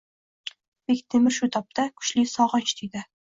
Bektemir shu tobda kuchli sog`inch tuydi